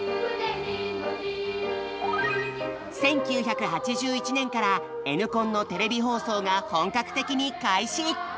１９８１年からＮコンのテレビ放送が本格的に開始。